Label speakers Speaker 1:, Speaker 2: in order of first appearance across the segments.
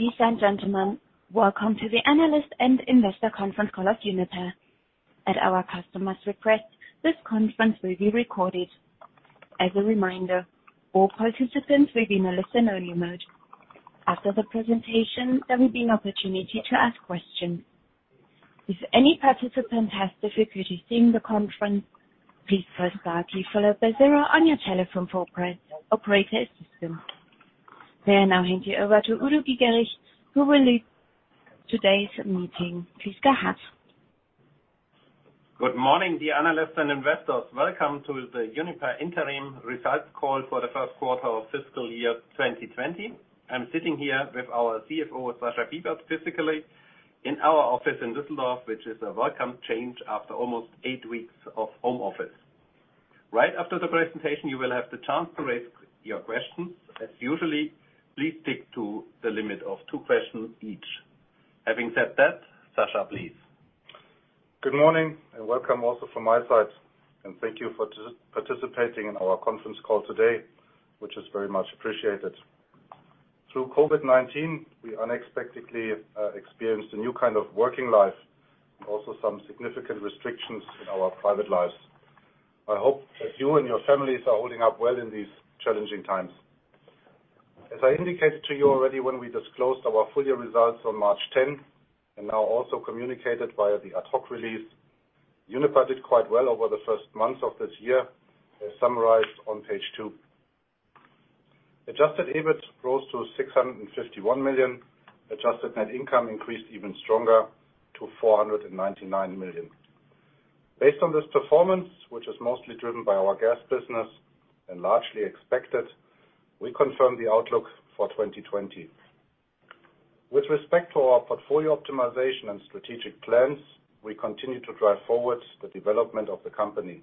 Speaker 1: Ladies and gentlemen, welcome to the analyst and investor conference call of Uniper. At our customer's request, this conference will be recorded. As a reminder, all participants will be in a listen-only mode. After the presentation, there will be an opportunity to ask questions. If any participant has difficulty seeing the conference, please press star key followed by zero on your telephone for operator assistance. May I now hand you over to Udo Giegerich, who will lead today's meeting. Please go ahead.
Speaker 2: Good morning, dear analysts and investors. Welcome to the Uniper interim results call for the first quarter of fiscal year 2020. I'm sitting here with our CFO, Sascha Bibert, physically in our office in Düsseldorf, which is a welcome change after almost eight weeks of home office. Right after the presentation, you will have the chance to raise your questions. As usually, please stick to the limit of two questions each. Having said that, Sascha, please.
Speaker 3: Good morning and welcome also from my side, and thank you for participating in our conference call today, which is very much appreciated. Through COVID-19, we unexpectedly experienced a new kind of working life and also some significant restrictions in our private lives. I hope that you and your families are holding up well in these challenging times. As I indicated to you already when we disclosed our full year results on March 10, and now also communicated via the ad hoc release, Uniper did quite well over the first months of this year, as summarized on page two. Adjusted EBIT rose to 651 million, adjusted net income increased even stronger to 499 million. Based on this performance, which is mostly driven by our gas business and largely expected, we confirm the outlook for 2020. With respect to our portfolio optimization and strategic plans, we continue to drive forward the development of the company.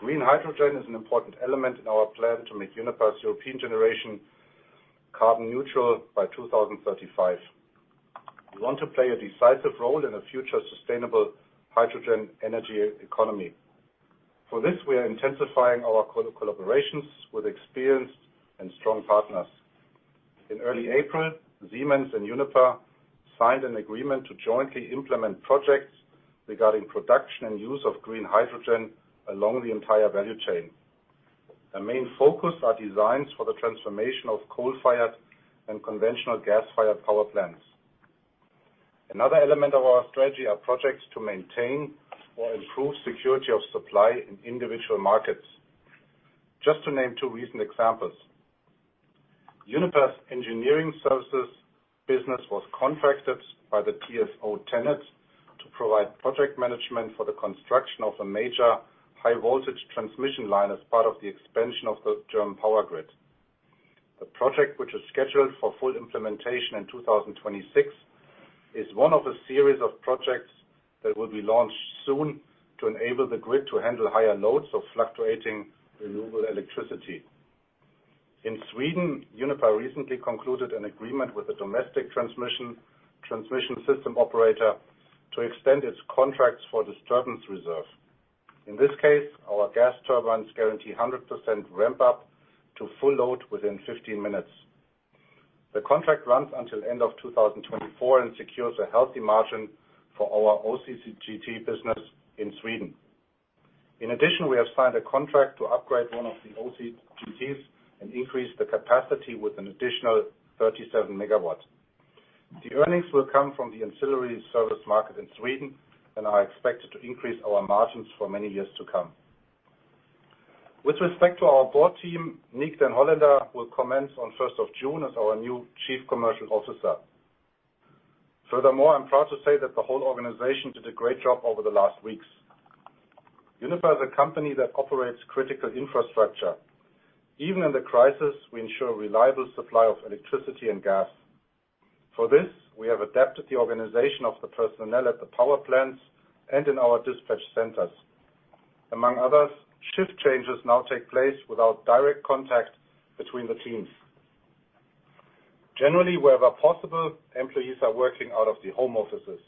Speaker 3: Green hydrogen is an important element in our plan to make Uniper's European generation carbon neutral by 2035. We want to play a decisive role in a future sustainable hydrogen energy economy. For this, we are intensifying our collaborations with experienced and strong partners. In early April, Siemens and Uniper signed an agreement to jointly implement projects regarding production and use of green hydrogen along the entire value chain. The main focus are designs for the transformation of coal-fired and conventional gas-fired power plants. Another element of our strategy are projects to maintain or improve security of supply in individual markets. Just to name two recent examples. Uniper's engineering services business was contracted by the TSO TenneT to provide project management for the construction of a major high voltage transmission line as part of the expansion of the German power grid. The project, which is scheduled for full implementation in 2026, is one of a series of projects that will be launched soon to enable the grid to handle higher loads of fluctuating renewable electricity. In Sweden, Uniper recently concluded an agreement with a domestic transmission system operator to extend its contracts for disturbance reserve. In this case, our gas turbines guarantee 100% ramp-up to full load within 15 minutes. The contract runs until end of 2024 and secures a healthy margin for our OCCGT business in Sweden. In addition, we have signed a contract to upgrade one of the OCCGTs and increase the capacity with an additional 37 MW. The earnings will come from the ancillary service market in Sweden and are expected to increase our margins for many years to come. With respect to our board team, Niek den Hollander will commence on 1st of June as our new Chief Commercial Officer. I'm proud to say that the whole organization did a great job over the last weeks. Uniper is a company that operates critical infrastructure. Even in the crisis, we ensure reliable supply of electricity and gas. For this, we have adapted the organization of the personnel at the power plants and in our dispatch centers. Among others, shift changes now take place without direct contact between the teams. Generally, wherever possible, employees are working out of the home offices.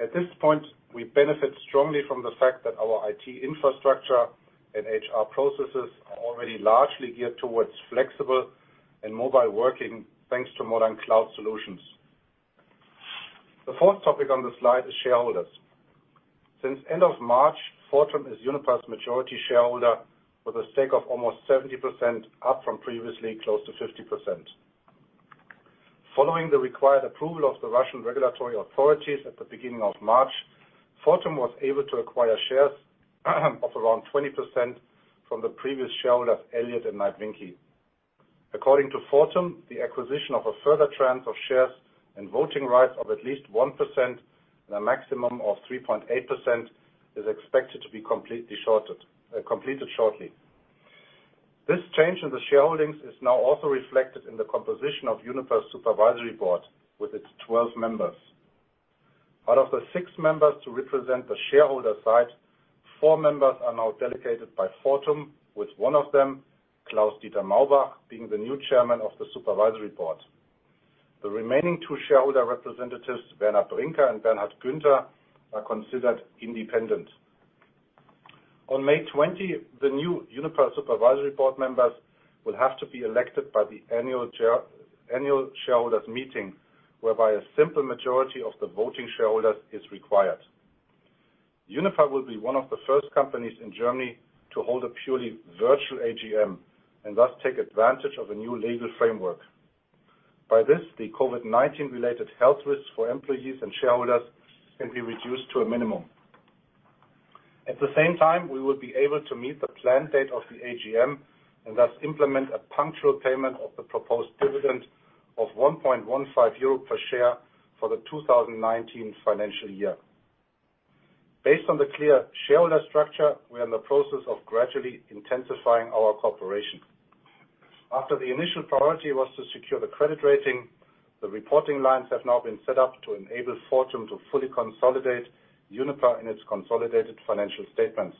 Speaker 3: At this point, we benefit strongly from the fact that our IT infrastructure and HR processes are already largely geared towards flexible and mobile working, thanks to modern cloud solutions. The fourth topic on the slide is shareholders. Since end of March, Fortum is Uniper's majority shareholder with a stake of almost 70%, up from previously close to 50%. Following the required approval of the Russian regulatory authorities at the beginning of March, Fortum was able to acquire shares of around 20% from the previous shareholders, Elliott and Knight Vinke. According to Fortum, the acquisition of a further tranche of shares and voting rights of at least 1% and a maximum of 3.8% is expected to be completed shortly. This change in the shareholdings is now also reflected in the composition of Uniper's supervisory board with its 12 members. Out of the six members to represent the shareholder side, four members are now delegated by Fortum, with one of them, Klaus-Dieter Maubach, being the new chairman of the supervisory board. The remaining two shareholder representatives, Werner Brinker and Bernhard Günther, are considered independent. On May 20, the new Uniper Supervisory Board members will have to be elected by the annual shareholders' meeting, whereby a simple majority of the voting shareholders is required. Uniper will be one of the first companies in Germany to hold a purely virtual AGM and thus take advantage of a new legal framework. By this, the COVID-19 related health risks for employees and shareholders can be reduced to a minimum. At the same time, we will be able to meet the planned date of the AGM, and thus implement a punctual payment of the proposed dividend of 1.15 euro per share for the 2019 financial year. Based on the clear shareholder structure, we are in the process of gradually intensifying our cooperation. After the initial priority was to secure the credit rating, the reporting lines have now been set up to enable Fortum to fully consolidate Uniper in its consolidated financial statements.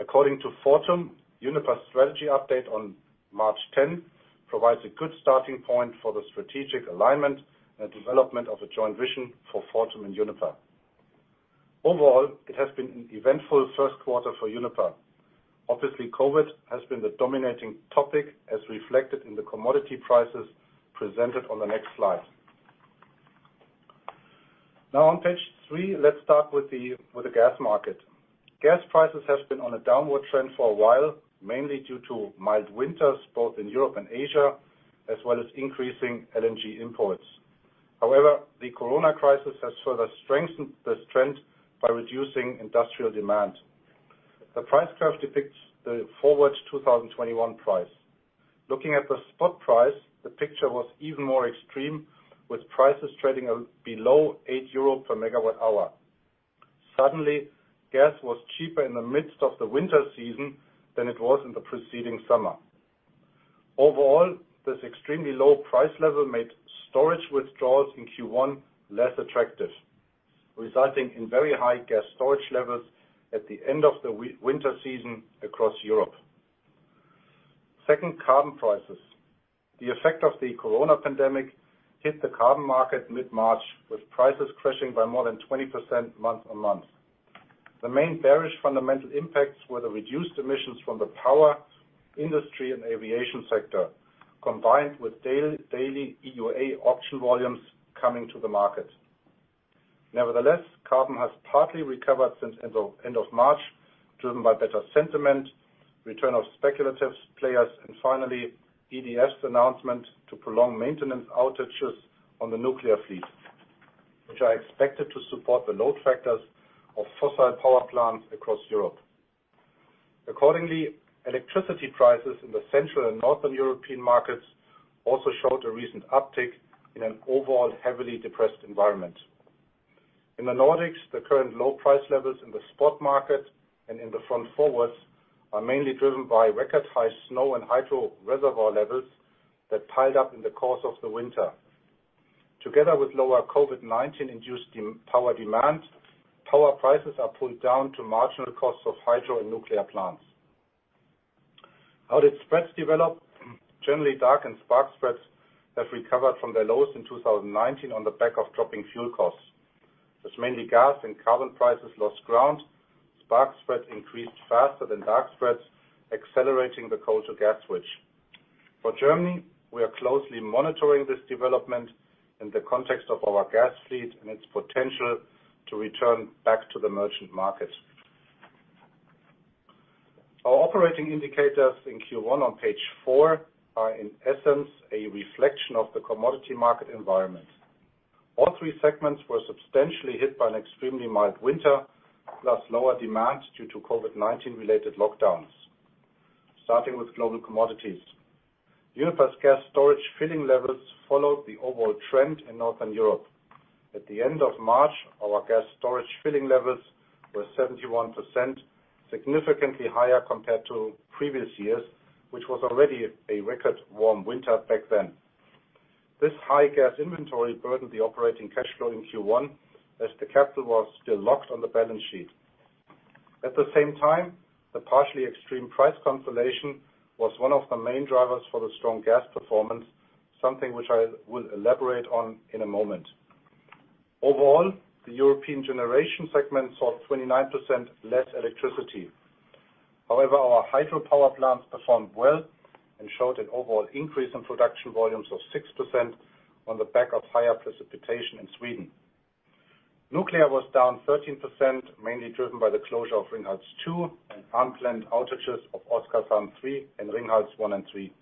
Speaker 3: According to Fortum, Uniper's strategy update on March 10 provides a good starting point for the strategic alignment and development of a joint vision for Fortum and Uniper. Overall, it has been an eventful first quarter for Uniper. Obviously, COVID has been the dominating topic as reflected in the commodity prices presented on the next slide. Now on page three, let's start with the gas market. Gas prices have been on a downward trend for a while, mainly due to mild winters, both in Europe and Asia, as well as increasing LNG imports. However, the COVID-19 crisis has further strengthened this trend by reducing industrial demand. The price curve depicts the forward 2021 price. Looking at the spot price, the picture was even more extreme, with prices trading below 8 euro per megawatt hour. Suddenly, gas was cheaper in the midst of the winter season than it was in the preceding summer. Overall, this extremely low price level made storage withdrawals in Q1 less attractive, resulting in very high gas storage levels at the end of the winter season across Europe. Second, carbon prices. The effect of the COVID-19 pandemic hit the carbon market mid-March, with prices crashing by more than 20% month-on-month. The main bearish fundamental impacts were the reduced emissions from the power, industry, and aviation sector, combined with daily EUA auction volumes coming to the market. Nevertheless, carbon has partly recovered since end of March, driven by better sentiment, return of speculative players, and finally, EDF's announcement to prolong maintenance outages on the nuclear fleet, which are expected to support the load factors of fossil power plants across Europe. Accordingly, electricity prices in the central and northern European markets also showed a recent uptick in an overall heavily depressed environment. In the Nordics, the current low price levels in the spot market and in the front forwards are mainly driven by record high snow and hydro reservoir levels that piled up in the course of the winter. Together with lower COVID-19-induced power demand, power prices are pulled down to marginal costs of hydro and nuclear plants. How did spreads develop? Generally, dark and spark spreads have recovered from their lows in 2019 on the back of dropping fuel costs. As mainly gas and carbon prices lost ground, spark spreads increased faster than dark spreads, accelerating the coal to gas switch. For Germany, we are closely monitoring this development in the context of our gas fleet and its potential to return back to the merchant market. Our operating indicators in Q1 on page four are, in essence, a reflection of the commodity market environment. All three segments were substantially hit by an extremely mild winter, plus lower demand due to COVID-19 related lockdowns. Starting with global commodities. Uniper's gas storage filling levels followed the overall trend in Northern Europe. At the end of March, our gas storage filling levels were 71%, significantly higher compared to previous years, which was already a record warm winter back then. This high gas inventory burdened the operating cash flow in Q1 as the capital was still locked on the balance sheet. At the same time, the partially extreme price consolidation was one of the main drivers for the strong gas performance, something which I will elaborate on in a moment. Overall, the European generation segment saw 29% less electricity. However, our hydropower plants performed well and showed an overall increase in production volumes of 6% on the back of higher precipitation in Sweden. Nuclear was down 13%, mainly driven by the closure of Ringhals 2 and unplanned outages of Oskarshamn 3 and Ringhals 1 and 3.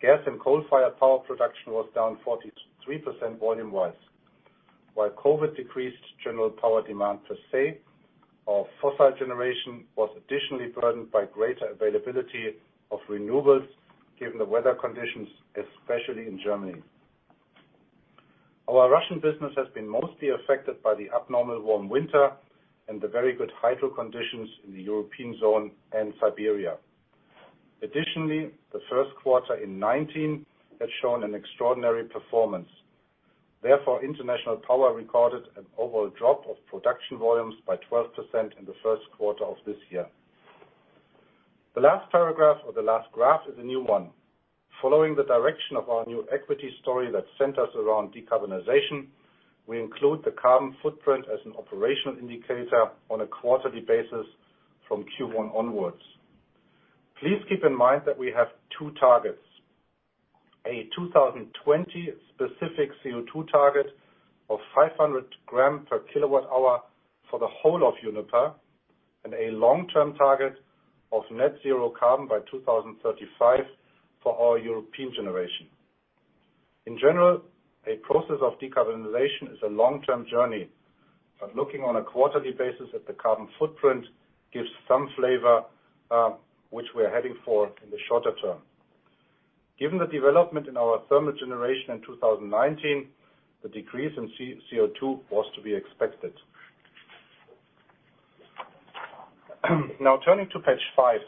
Speaker 3: Gas and coal-fired power production was down 43% volume-wise. While COVID decreased general power demand per se, our fossil generation was additionally burdened by greater availability of renewables given the weather conditions, especially in Germany. Our Russian business has been mostly affected by the abnormal warm winter and the very good hydro conditions in the European zone and Siberia. The first quarter in 2019 had shown an extraordinary performance. International power recorded an overall drop of production volumes by 12% in the first quarter of this year. The last paragraph or the last graph is a new one. Following the direction of our new equity story that centers around decarbonization, we include the carbon footprint as an operational indicator on a quarterly basis from Q1 onwards. Please keep in mind that we have two targets, a 2020 specific CO2 target of 500 g/kWh for the whole of Uniper, and a long-term target of net zero carbon by 2035 for all European generation. A process of decarbonization is a long-term journey. Looking on a quarterly basis at the carbon footprint gives some flavor, which we're heading for in the shorter term. Given the development in our thermal generation in 2019, the decrease in CO2 was to be expected. Turning to page five.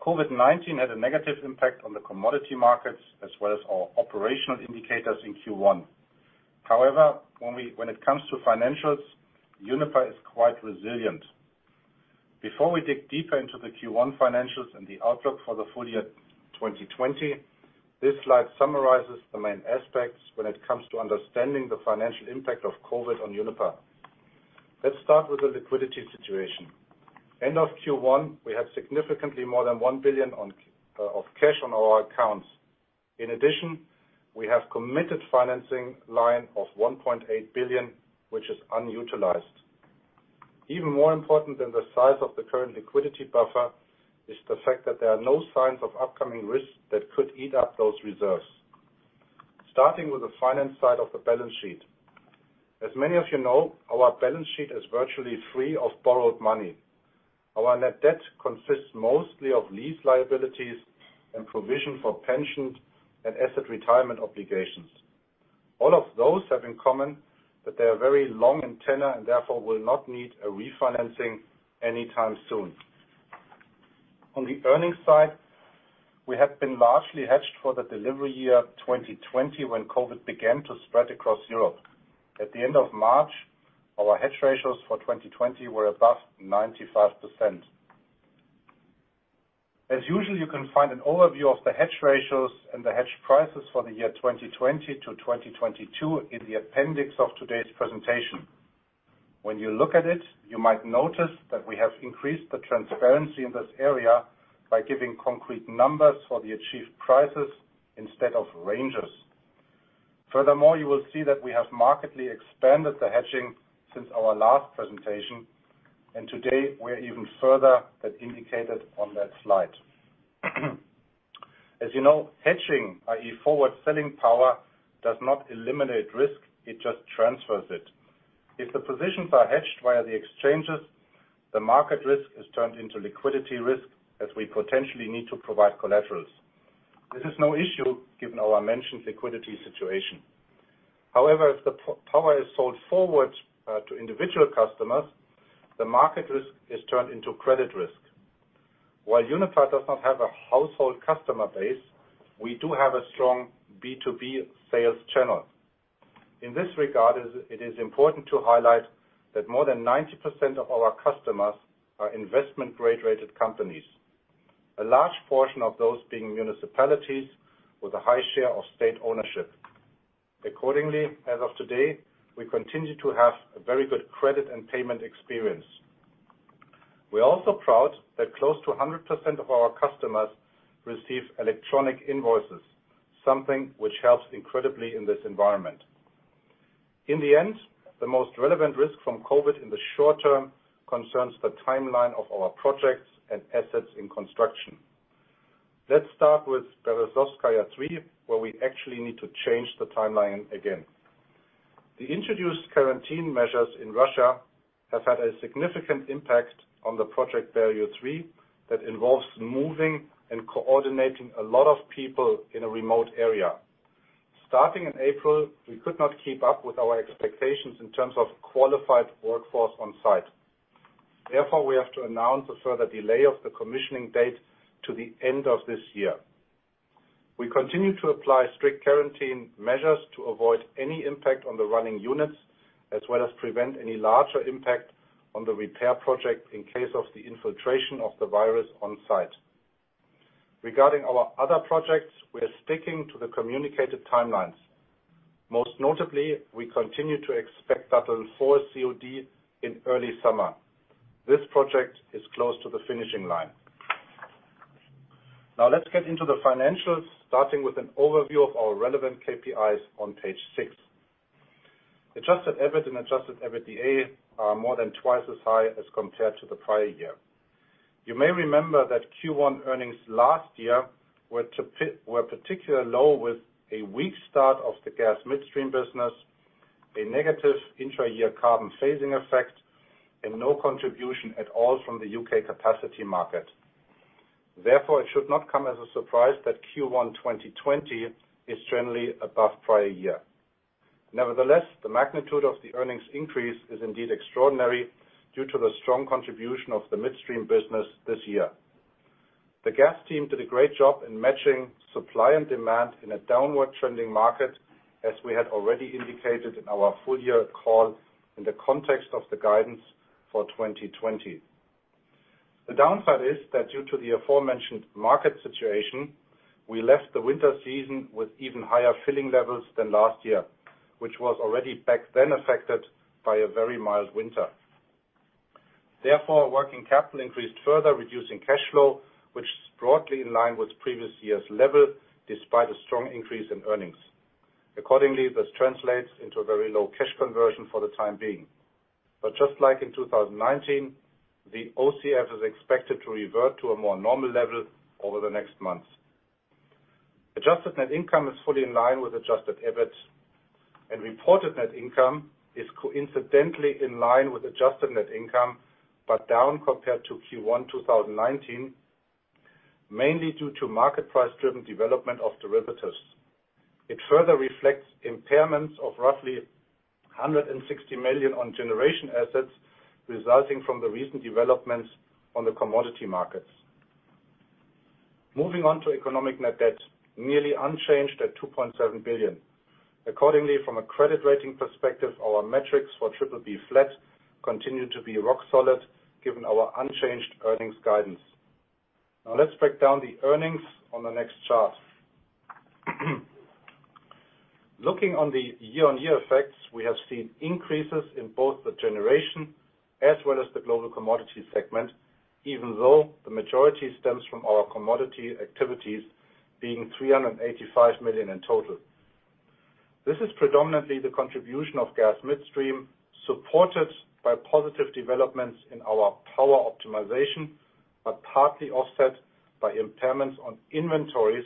Speaker 3: COVID-19 had a negative impact on the commodity markets as well as our operational indicators in Q1. When it comes to financials, Uniper is quite resilient. Before we dig deeper into the Q1 financials and the outlook for the full year 2020, this slide summarizes the main aspects when it comes to understanding the financial impact of COVID-19 on Uniper. Let's start with the liquidity situation. End of Q1, we have significantly more than 1 billion of cash on our accounts. We have committed financing line of 1.8 billion, which is unutilized. Even more important than the size of the current liquidity buffer is the fact that there are no signs of upcoming risks that could eat up those reserves. Starting with the finance side of the balance sheet. As many of you know, our balance sheet is virtually free of borrowed money. Our net debt consists mostly of lease liabilities and provision for pensions and asset retirement obligations. All of those have in common that they are very long in tenure and therefore will not need a refinancing anytime soon. On the earnings side, we have been largely hedged for the delivery year 2020, when COVID began to spread across Europe. At the end of March, our hedge ratios for 2020 were above 95%. As usual, you can find an overview of the hedge ratios and the hedge prices for the year 2020 to 2022 in the appendix of today's presentation. When you look at it, you might notice that we have increased the transparency in this area by giving concrete numbers for the achieved prices instead of ranges. Furthermore, you will see that we have markedly expanded the hedging since our last presentation. Today we're even further than indicated on that slide. As you know, hedging, i.e., forward selling power, does not eliminate risk, it just transfers it. If the positions are hedged via the exchanges, the market risk is turned into liquidity risk as we potentially need to provide collaterals. This is no issue given our mentioned liquidity situation. However, if the power is sold forward to individual customers, the market risk is turned into credit risk. While Uniper does not have a household customer base, we do have a strong B2B sales channel. In this regard, it is important to highlight that more than 90% of our customers are investment-grade-rated companies, a large portion of those being municipalities with a high share of state ownership. Accordingly, as of today, we continue to have a very good credit and payment experience. We're also proud that close to 100% of our customers receive electronic invoices, something which helps incredibly in this environment. The most relevant risk from COVID-19 in the short term concerns the timeline of our projects and assets in construction. Let's start with Berezovskaya 3, where we actually need to change the timeline again. The introduced quarantine measures in Russia have had a significant impact on the Project Value 3 that involves moving and coordinating a lot of people in a remote area. Starting in April, we could not keep up with our expectations in terms of qualified workforce on-site. We have to announce a further delay of the commissioning date to the end of this year. We continue to apply strict quarantine measures to avoid any impact on the running units, as well as prevent any larger impact on the repair project in case of the infiltration of the virus on-site. Regarding our other projects, we are sticking to the communicated timelines. Most notably, we continue to expect Datteln 4 COD in early summer. This project is close to the finishing line. Now let's get into the financials, starting with an overview of our relevant KPIs on page six. Adjusted EBIT and adjusted EBITDA are more than twice as high as compared to the prior year. You may remember that Q1 earnings last year were particularly low with a weak start of the gas midstream business, a negative intra-year carbon phasing effect, and no contribution at all from the UK Capacity Market. Therefore, it should not come as a surprise that Q1 2020 is generally above prior year. Nevertheless, the magnitude of the earnings increase is indeed extraordinary due to the strong contribution of the midstream business this year. The gas team did a great job in matching supply and demand in a downward-trending market, as we had already indicated in our full-year call in the context of the guidance for 2020. The downside is that due to the aforementioned market situation, we left the winter season with even higher filling levels than last year, which was already back then affected by a very mild winter. Therefore, working capital increased, further reducing cash flow, which is broadly in line with previous year's level, despite a strong increase in earnings. Accordingly, this translates into a very low cash conversion for the time being. Just like in 2019, the OCF is expected to revert to a more normal level over the next months. Adjusted net income is fully in line with adjusted EBIT. Reported net income is coincidentally in line with adjusted net income, but down compared to Q1 2019, mainly due to market price-driven development of derivatives. It further reflects impairments of roughly 160 million on generation assets, resulting from the recent developments on the commodity markets. Moving on to economic net debt, nearly unchanged at 2.7 billion. Accordingly, from a credit rating perspective, our metrics for BBB flat continue to be rock solid given our unchanged earnings guidance. Let's break down the earnings on the next chart. Looking on the year-over-year effects, we have seen increases in both the generation as well as the global commodity segment, even though the majority stems from our commodity activities being 385 million in total. This is predominantly the contribution of gas midstream, supported by positive developments in our power optimization, but partly offset by impairments on inventories,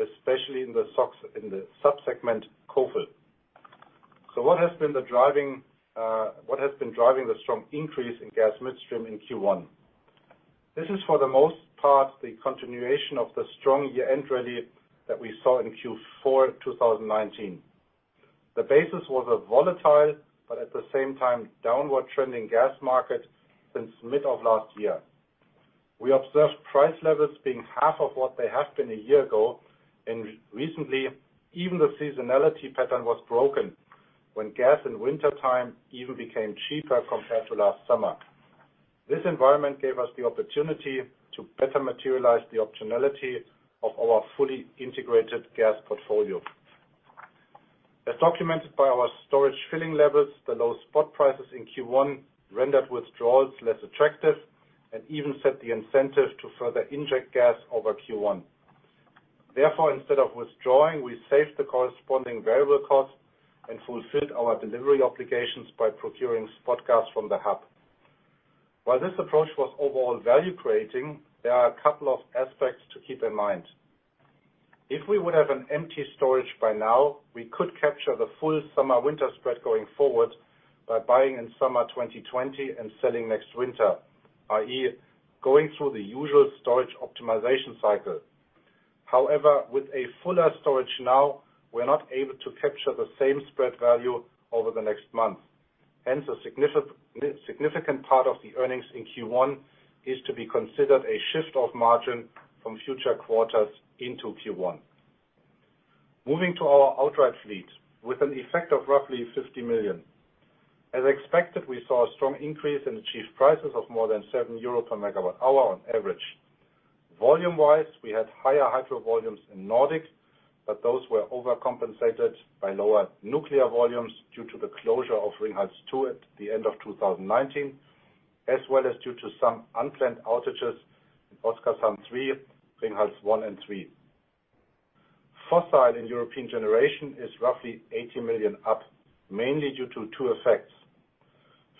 Speaker 3: especially in the sub-segment COFL. What has been driving the strong increase in gas midstream in Q1? This is, for the most part, the continuation of the strong year-end rally that we saw in Q4 2019. The basis was a volatile, but at the same time, downward trending gas market since mid of last year. We observed price levels being half of what they have been a year ago, and recently, even the seasonality pattern was broken when gas in wintertime even became cheaper compared to last summer. This environment gave us the opportunity to better materialize the optionality of our fully integrated gas portfolio. As documented by our storage filling levels, the low spot prices in Q1 rendered withdrawals less attractive and even set the incentive to further inject gas over Q1. Instead of withdrawing, we saved the corresponding variable cost and fulfilled our delivery obligations by procuring spot gas from the hub. While this approach was overall value-creating, there are a couple of aspects to keep in mind. If we would have an empty storage by now, we could capture the full summer-winter spread going forward by buying in summer 2020 and selling next winter, i.e., going through the usual storage optimization cycle. With a fuller storage now, we're not able to capture the same spread value over the next month. Hence, a significant part of the earnings in Q1 is to be considered a shift of margin from future quarters into Q1. Moving to our outright fleet with an effect of roughly 50 million. As expected, we saw a strong increase in the spot prices of more than 7 euro per megawatt hour on average. Volume-wise, we had higher hydro volumes in Nordic, but those were overcompensated by lower nuclear volumes due to the closure of Ringhals 2 at the end of 2019, as well as due to some unplanned outages in Oskarshamn 3, Ringhals 1 and 3. Fossil in European generation is roughly 80 million up, mainly due to two effects.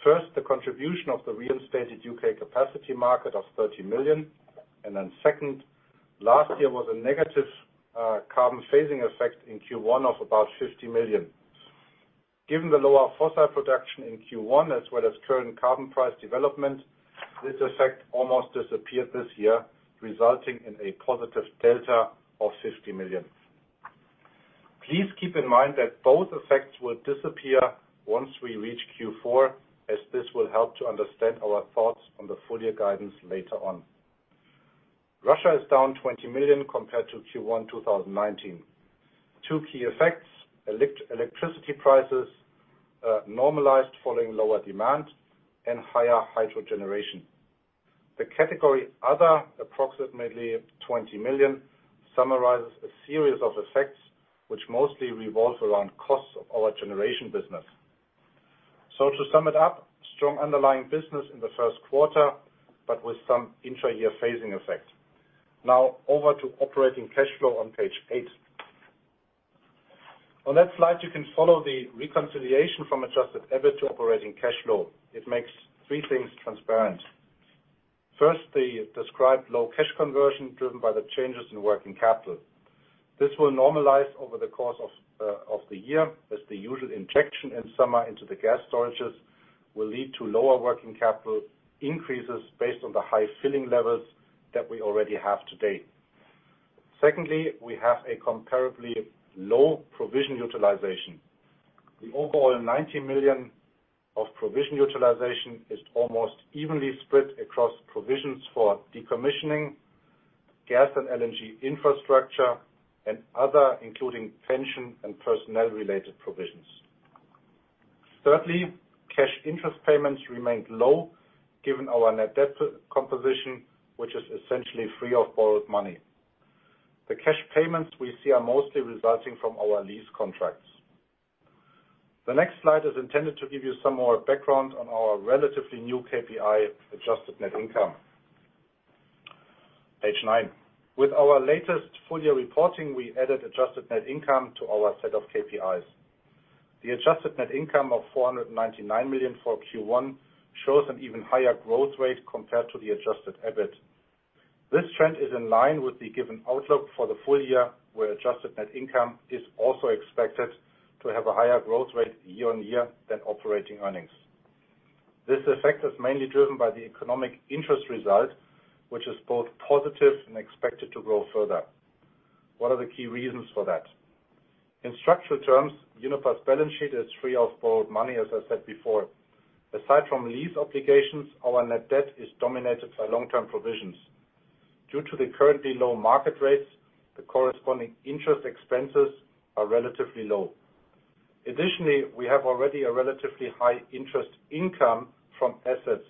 Speaker 3: First, the contribution of the reinstated U.K. Capacity Market of 30 million, and then second, last year was a negative carbon phasing effect in Q1 of about 50 million. Given the lower fossil production in Q1, as well as current carbon price development, this effect almost disappeared this year, resulting in a positive delta of 50 million. Please keep in mind that both effects will disappear once we reach Q4, as this will help to understand our thoughts on the full-year guidance later on. Russia is down 20 million compared to Q1 2019. Two key effects, electricity prices normalized following lower demand and higher hydro generation. The category other, approximately 20 million, summarizes a series of effects which mostly revolve around costs of our generation business. To sum it up, strong underlying business in the first quarter, but with some intra-year phasing effect. Now over to operating cash flow on page eight. On that slide, you can follow the reconciliation from adjusted EBIT to operating cash flow. It makes three things transparent. The described low cash conversion driven by the changes in working capital. This will normalize over the course of the year as the usual injection in summer into the gas storages will lead to lower working capital increases based on the high filling levels that we already have to date. We have a comparably low provision utilization. The overall 90 million of provision utilization is almost evenly split across provisions for decommissioning, gas and LNG infrastructure, and other, including pension and personnel-related provisions. Cash interest payments remained low given our economic net debt composition, which is essentially free of borrowed money. The cash payments we see are mostly resulting from our lease contracts. The next slide is intended to give you some more background on our relatively new KPI, adjusted net income. Page nine. With our latest full-year reporting, we added adjusted net income to our set of KPIs. The adjusted net income of 499 million for Q1 shows an even higher growth rate compared to the adjusted EBIT. This trend is in line with the given outlook for the full year, where adjusted net income is also expected to have a higher growth rate year-on-year than operating earnings. This effect is mainly driven by the economic interest result, which is both positive and expected to grow further. What are the key reasons for that? In structural terms, Uniper's balance sheet is free of borrowed money, as I said before. Aside from lease obligations, our net debt is dominated by long-term provisions. Due to the currently low market rates, the corresponding interest expenses are relatively low. Additionally, we have already a relatively high-interest income from assets.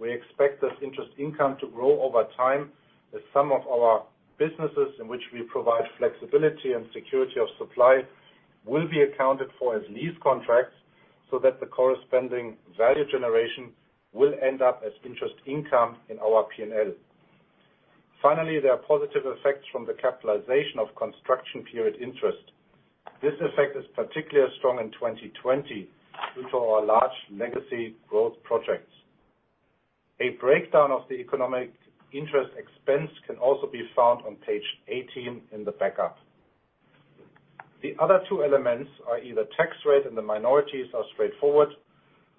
Speaker 3: We expect this interest income to grow over time as some of our businesses in which we provide flexibility and security of supply will be accounted for as lease contracts, so that the corresponding value generation will end up as interest income in our P&L. Finally, there are positive effects from the capitalization of construction period interest. This effect is particularly strong in 2020 due to our large legacy growth projects. A breakdown of the economic interest expense can also be found on page 18 in the backup. The other two elements are either tax rate and the minorities are straightforward.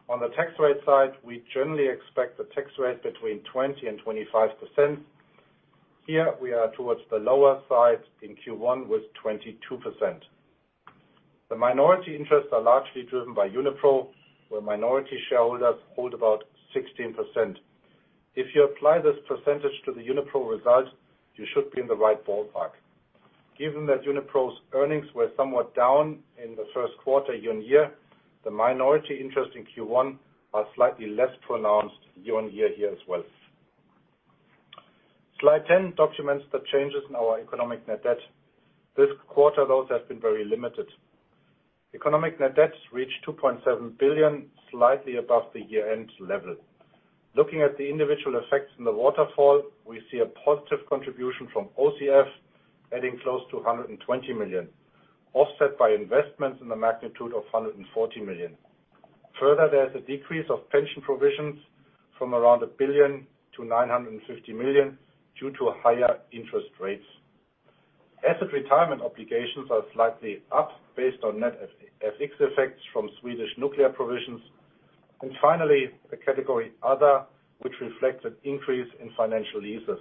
Speaker 3: On the tax rate side, we generally expect the tax rate between 20% and 25%. Here, we are towards the lower side in Q1 with 22%. The minority interests are largely driven by Unipro, where minority shareholders hold about 16%. If you apply this percentage to the Unipro result, you should be in the right ballpark. Given that Unipro's earnings were somewhat down in the first quarter year-on-year, the minority interest in Q1 are slightly less pronounced year-on-year here as well. Slide 10 documents the changes in our economic net debt. This quarter, those have been very limited. Economic net debts reached 2.7 billion, slightly above the year-end level. Looking at the individual effects in the waterfall, we see a positive contribution from OCF adding close to 120 million, offset by investments in the magnitude of 140 million. Further, there is a decrease of pension provisions from around 1 billion to 950 million due to higher interest rates. Asset retirement obligations are slightly up based on net FX effects from Swedish nuclear provisions. Finally, the category other, which reflects an increase in financial leases.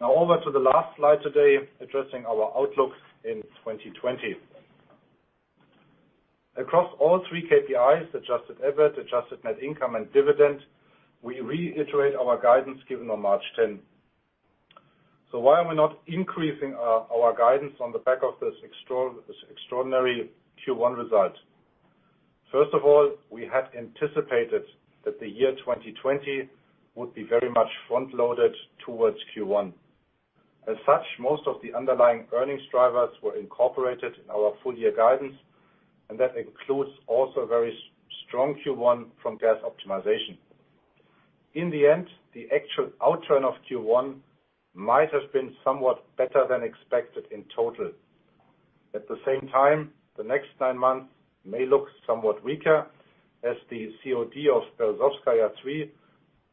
Speaker 3: Over to the last slide today, addressing our outlook in 2020. Across all three KPIs, adjusted EBIT, adjusted net income, and dividend, we reiterate our guidance given on March 10. Why are we not increasing our guidance on the back of this extraordinary Q1 result? First of all, we had anticipated that the year 2020 would be very much front-loaded towards Q1. As such, most of the underlying earnings drivers were incorporated in our full-year guidance, and that includes also very strong Q1 from gas optimization. In the end, the actual outturn of Q1 might have been somewhat better than expected in total. At the same time, the next nine months may look somewhat weaker as the COD of Berezovskaya 3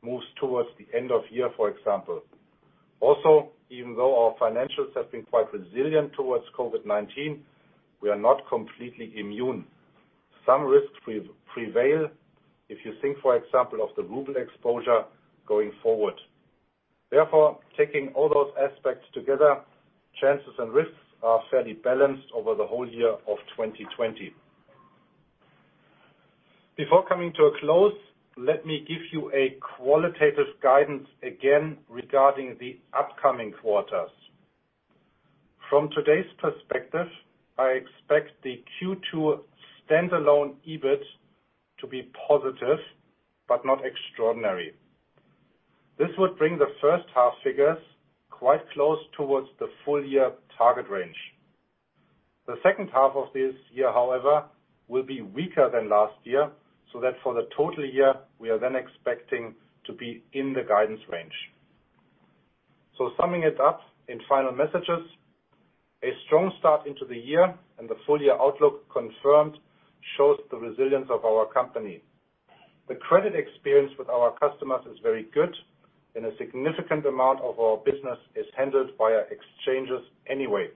Speaker 3: moves towards the end of year, for example. Even though our financials have been quite resilient towards COVID-19, we are not completely immune. Some risks prevail, if you think, for example, of the ruble exposure going forward. Therefore, taking all those aspects together, chances and risks are fairly balanced over the whole year of 2020. Before coming to a close, let me give you a qualitative guidance again regarding the upcoming quarters. From today's perspective, I expect the Q2 standalone EBIT to be positive but not extraordinary. This would bring the first half figures quite close towards the full-year target range. The second half of this year, however, will be weaker than last year, that for the total year, we are then expecting to be in the guidance range. Summing it up in final messages, a strong start into the year and the full-year outlook confirmed shows the resilience of our company. The credit experience with our customers is very good, and a significant amount of our business is handled via exchanges anyway.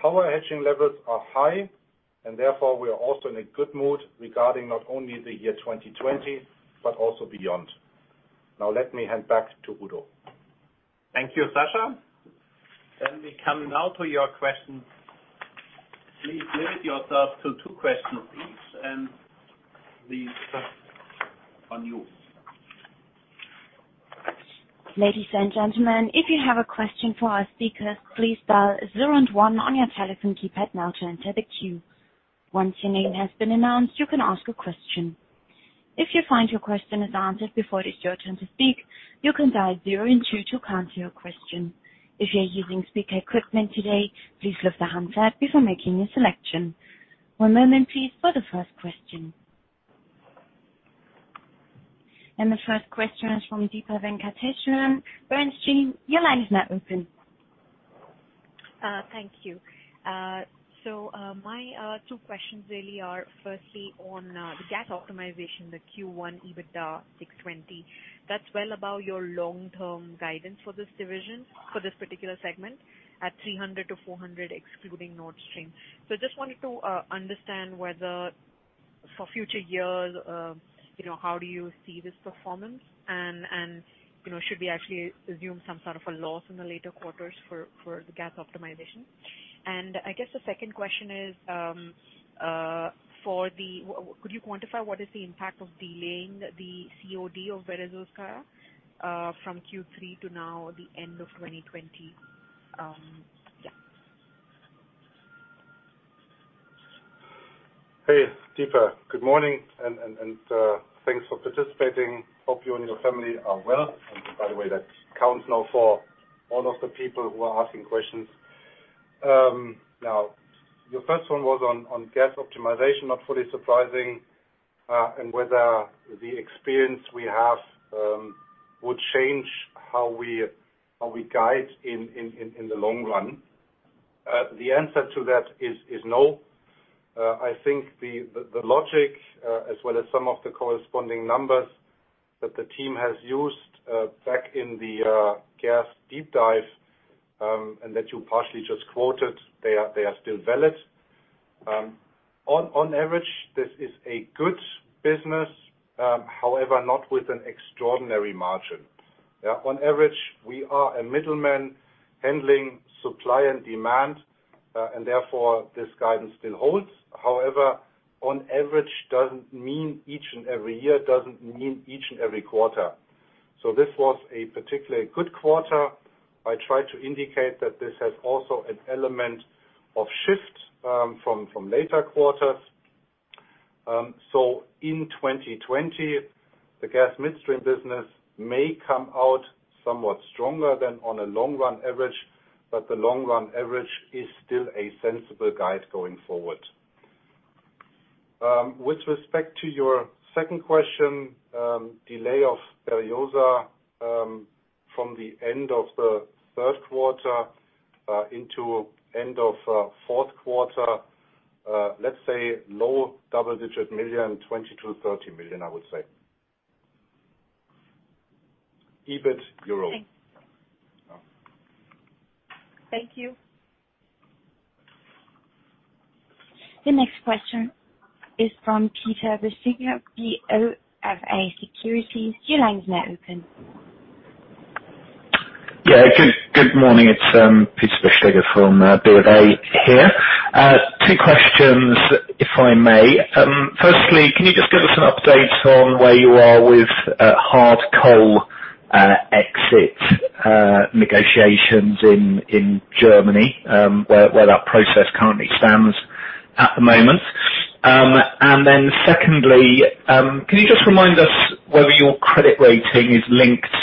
Speaker 3: Power hedging levels are high, and therefore we are also in a good mood regarding not only the year 2020 but also beyond. Now, let me hand back to Udo.
Speaker 2: Thank you, Sascha. We come now to your questions. Please limit yourself to two questions, please, and the first on you.
Speaker 1: Ladies and gentlemen, if you have a question for our speakers, please dial zero and one on your telephone keypad now to enter the queue. Once your name has been announced, you can ask a question. If you find your question is answered before it is your turn to speak, you can dial zero and two to cancel your question. If you're using speaker equipment today, please lift the handset before making a selection. One moment please, for the first question. The first question is from Deepa Venkateswaran, Bernstein. Your line is now open.
Speaker 4: Thank you. My two questions really are, firstly on the gas optimization, the Q1 EBITDA 620. That's well above your long-term guidance for this division, for this particular segment, at 300-400, excluding Nord Stream. I just wanted to understand whether for future years, how do you see this performance, and should we actually assume some sort of a loss in the later quarters for the gas optimization? I guess the second question is, could you quantify what is the impact of delaying the COD of Berezovskaya from Q3 to now the end of 2020? Yeah.
Speaker 3: Hey, Deepa. Good morning, and thanks for participating. Hope you and your family are well. By the way, that counts now for all of the people who are asking questions. Your first one was on gas optimization, not fully surprising, and whether the experience we have would change how we guide in the long run. The answer to that is no. I think the logic, as well as some of the corresponding numbers that the team has used back in the gas deep dive, and that you partially just quoted, they are still valid. On average, this is a good business, however, not with an extraordinary margin. On average, we are a middleman handling supply and demand, and therefore this guidance still holds. However, on average doesn't mean each and every year, doesn't mean each and every quarter. This was a particularly good quarter. I tried to indicate that this has also an element of shift from later quarters. In 2020, the gas midstream business may come out somewhat stronger than on a long run average, but the long-run average is still a sensible guide going forward. With respect to your second question, delay of Berezovskaya from the end of the third quarter into end of fourth quarter, let's say low double-digit million, 20 million-30 million, I would say. EBIT euro.
Speaker 4: Thank you.
Speaker 1: The next question is from Peter Bisztyga of BofA Securities. Your line is now open.
Speaker 5: Yeah. Good morning. It's Peter Bisztyga from BofA here. Two questions, if I may. Firstly, can you just give us an update on where you are with hard coal exit negotiations in Germany, where that process currently stands at the moment? Secondly, can you just remind us whether your credit rating is linked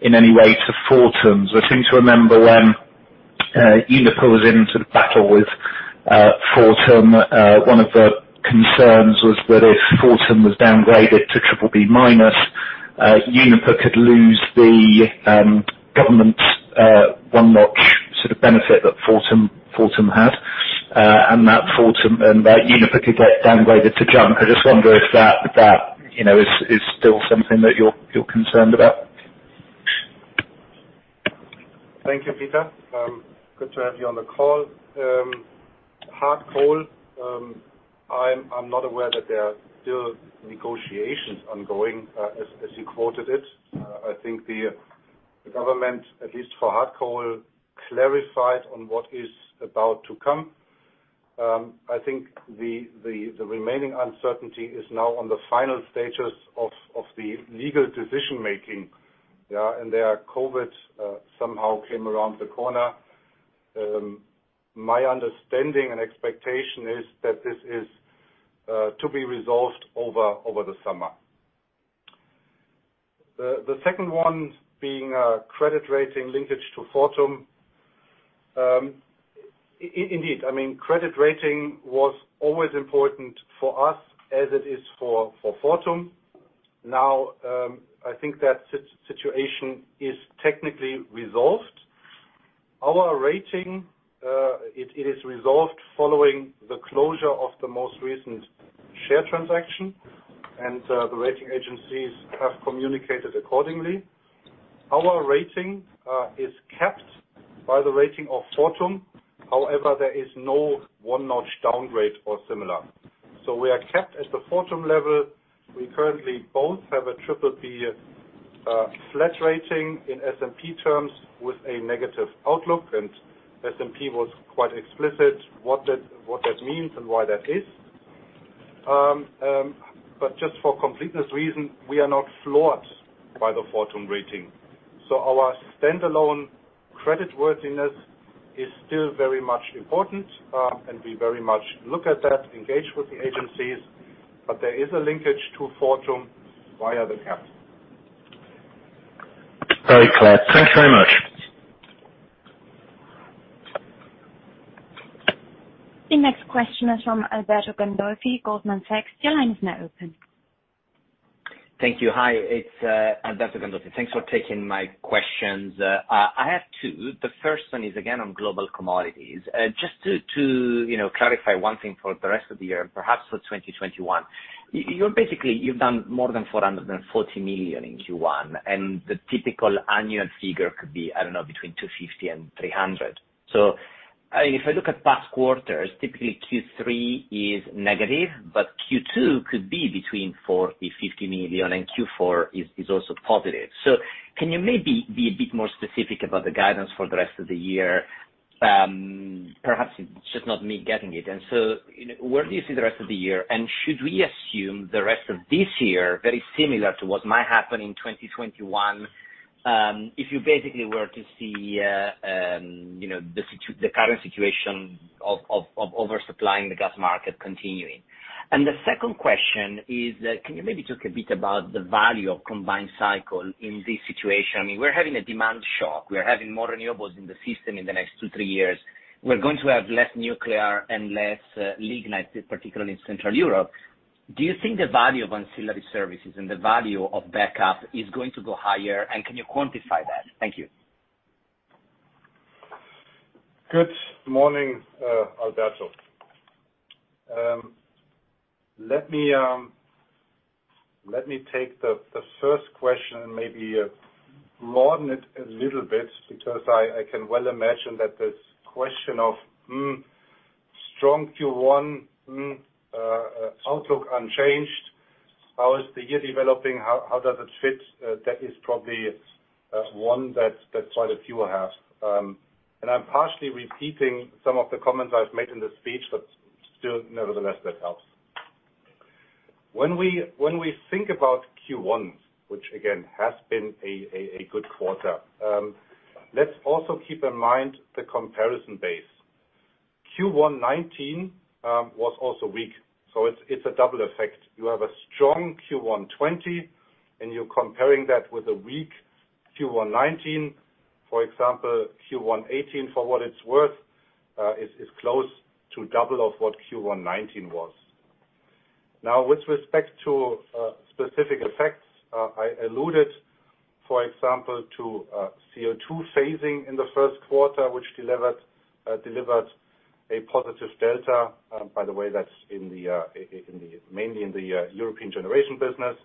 Speaker 5: in any way to Fortum's? I seem to remember when Uniper was into the battle with Fortum, one of the concerns was that if Fortum was downgraded to BBB-, Uniper could lose the government one notch sort of benefit that Fortum had, and that Uniper could get downgraded to junk. I just wonder if that is still something that you're concerned about.
Speaker 3: Thank you, Peter. Good to have you on the call. Hard coal. I'm not aware that there are still negotiations ongoing, as you quoted it. I think the government, at least for hard coal, clarified on what is about to come. I think the remaining uncertainty is now on the final stages of the legal decision-making. Yeah, there, COVID somehow came around the corner. My understanding and expectation is that this is to be resolved over the summer. The second one being credit rating linkage to Fortum. Indeed, credit rating was always important for us, as it is for Fortum. Now, I think that situation is technically resolved. Our rating, it is resolved following the closure of the most recent share transaction, and the rating agencies have communicated accordingly. Our rating is capped by the rating of Fortum. However, there is no one-notch downgrade or similar. We are capped at the Fortum level. We currently both have a BBB flat rating in S&P terms with a negative outlook, and S&P was quite explicit what that means and why that is. Just for completeness reason, we are not floored by the Fortum rating. Our standalone credit worthiness is still very much important, and we very much look at that, engage with the agencies, but there is a linkage to Fortum via the cap.
Speaker 5: Very clear. Thanks very much.
Speaker 1: The next question is from Alberto Gandolfi, Goldman Sachs. Your line is now open.
Speaker 6: Thank you. Hi, it's Alberto Gandolfi. Thanks for taking my questions. I have two. The first one is again on global commodities. Just to clarify one thing for the rest of the year and perhaps for 2021. You've done more than 440 million in Q1, the typical annual figure could be, I don't know, between 250 million and 300 million. If I look at past quarters, typically Q3 is negative, but Q2 could be between 40 million, 50 million, and Q4 is also positive. Can you maybe be a bit more specific about the guidance for the rest of the year? Perhaps it's just not me getting it. Where do you see the rest of the year? Should we assume the rest of this year, very similar to what might happen in 2021, if you basically were to see the current situation of oversupplying the gas market continuing? The second question is, can you maybe talk a bit about the value of combined cycle in this situation? I mean, we're having a demand shock. We're having more renewables in the system in the next two, three years. We're going to have less nuclear and less lignite, particularly in Central Europe. Do you think the value of ancillary services and the value of backup is going to go higher? Can you quantify that? Thank you.
Speaker 3: Good morning, Alberto. Let me take the first question and maybe broaden it a little bit, because I can well imagine that this question of strong Q1, outlook unchanged. How is the year developing? How does it fit? That is probably one that quite a few will have. I am partially repeating some of the comments I have made in the speech, but still, nevertheless, that helps. When we think about Q1, which again has been a good quarter, let us also keep in mind the comparison base. Q1 2019 was also weak. It is a double effect. You have a strong Q1 2020, and you are comparing that with a weak Q1 2019. For example, Q1 2018, for what it is worth, is close to double of what Q1 2019 was. With respect to specific effects, I alluded, for example, to CO2 phasing in the first quarter, which delivered a positive delta. That's mainly in the European generation business.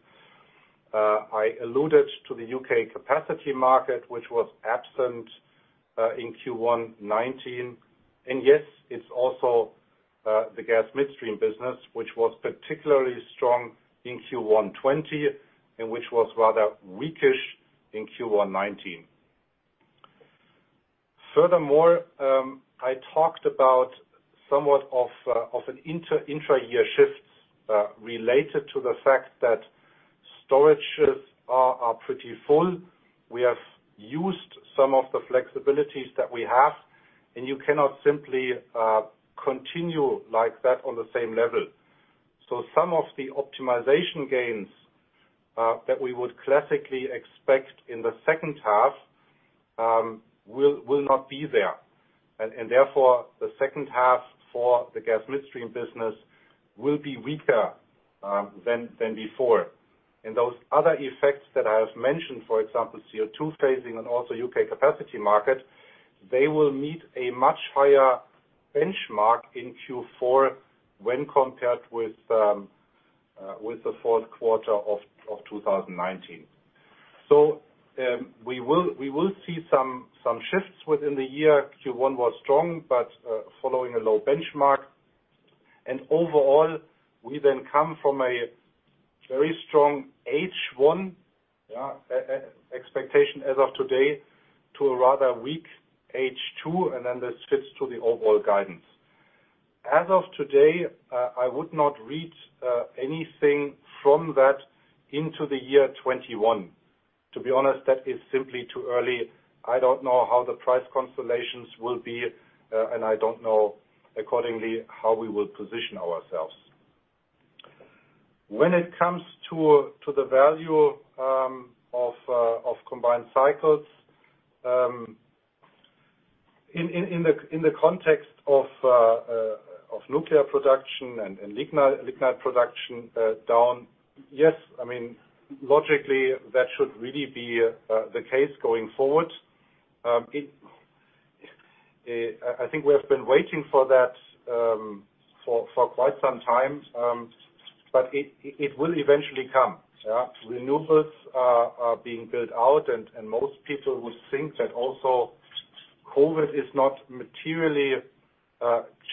Speaker 3: I alluded to the U.K. Capacity Market, which was absent in Q1 2019. Yes, it's also the gas midstream business, which was particularly strong in Q1 2020, and which was rather weakish in Q1 2019. I talked about somewhat of an intra-year shift, related to the fact that storages are pretty full. We have used some of the flexibilities that we have, and you cannot simply continue like that on the same level. Some of the optimization gains that we would classically expect in the second half will not be there. Therefore, the second half for the gas midstream business will be weaker than before. Those other effects that I have mentioned, for example, CO2 phasing and also U.K. Capacity Market, they will meet a much higher benchmark in Q4 when compared with the fourth quarter of 2019. We will see some shifts within the year. Q1 was strong, following a low benchmark. Overall, we come from a very strong H1 expectation as of today to a rather weak H2, this fits to the overall guidance. As of today, I would not read anything from that into the year 2021. To be honest, that is simply too early. I don't know how the price constellations will be, and I don't know accordingly how we will position ourselves. When it comes to the value of combined cycles, in the context of nuclear production and lignite production down, yes, I mean, logically, that should really be the case going forward. I think we have been waiting for that for quite some time, but it will eventually come. Renewables are being built out and most people would think that also COVID is not materially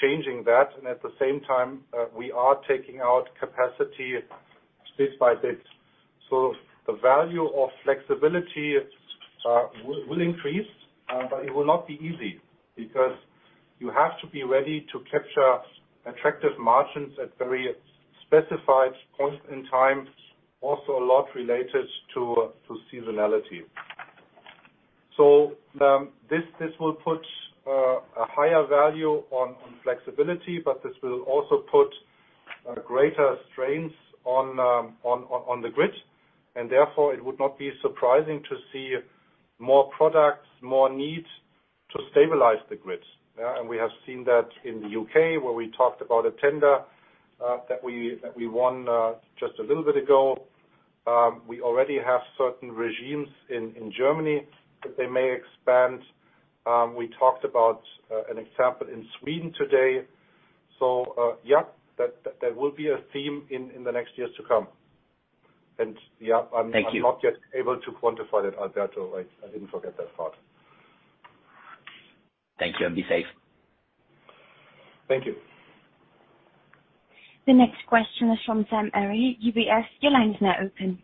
Speaker 3: changing that, and at the same time, we are taking out capacity bit by bit. The value of flexibility will increase, but it will not be easy, because you have to be ready to capture attractive margins at very specified points in time, also a lot related to seasonality. This will put a higher value on flexibility, but this will also put greater strains on the grid, and therefore, it would not be surprising to see more products, more need to stabilize the grid. We have seen that in the U.K., where we talked about a tender that we won just a little bit ago. We already have certain regimes in Germany that they may expand. We talked about an example in Sweden today. That will be a theme in the next years to come.
Speaker 6: Thank you.
Speaker 3: I'm not yet able to quantify that, Alberto. I didn't forget that part.
Speaker 6: Thank you, and be safe.
Speaker 3: Thank you.
Speaker 1: The next question is from Sam Arie, UBS. Your line's now open.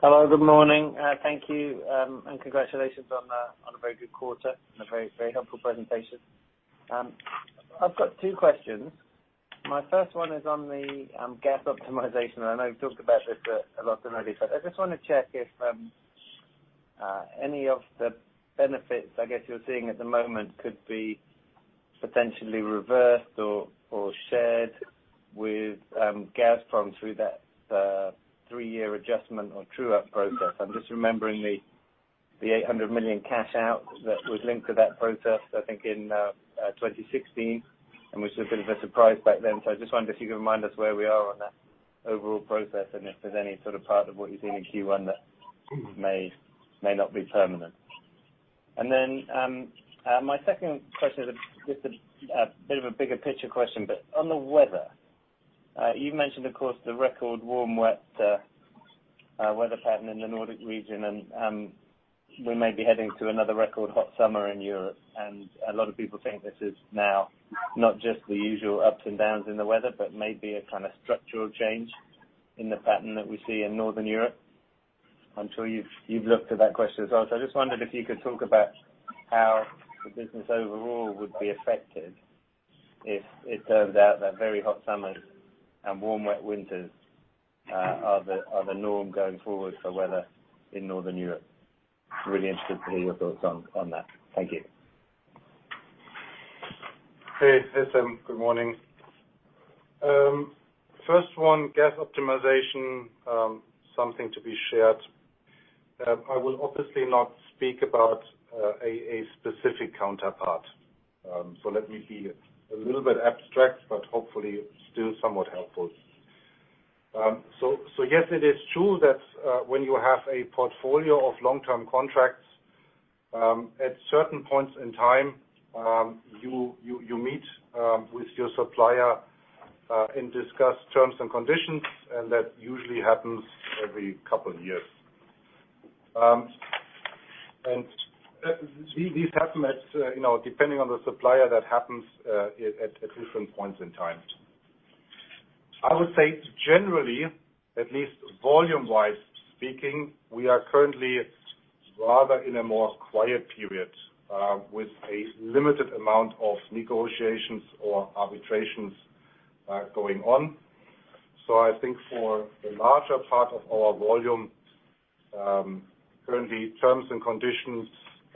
Speaker 7: Hello, good morning. Thank you, and congratulations on a very good quarter and a very helpful presentation. I've got two questions. I know you've talked about this a lot already, but I just want to check if any of the benefits, I guess, you're seeing at the moment could be potentially reversed or shared with Gazprom through that three-year adjustment or true-up process. I'm just remembering the 800 million cash out that was linked to that process, I think, in 2016, and was a bit of a surprise back then. I just wondered if you could remind us where we are on that overall process, and if there's any sort of part of what you see in Q1 that may not be permanent. My second question is a bit of a bigger picture question, on the weather. You've mentioned, of course, the record warm weather pattern in the Nordic region, and we may be heading to another record hot summer in Europe. A lot of people think this is now not just the usual ups and downs in the weather, but may be a kind of structural change in the pattern that we see in Northern Europe. I'm sure you've looked at that question as well. I just wondered if you could talk about how the business overall would be affected if it turns out that very hot summers and warm wet winters are the norm going forward for weather in Northern Europe. Really interested to hear your thoughts on that. Thank you.
Speaker 3: Hey, Sam. Good morning. First one, gas optimization, something to be shared. I will obviously not speak about a specific counterpart. Let me be a little bit abstract, but hopefully still somewhat helpful. Yes, it is true that when you have a portfolio of long-term contracts, at certain points in time, you meet with your supplier and discuss terms and conditions, and that usually happens every couple of years. These happen at, depending on the supplier, that happens at different points in time. I would say generally, at least volume-wise speaking, we are currently rather in a more quiet period with a limited amount of negotiations or arbitrations going on. I think for the larger part of our volume, currently terms and conditions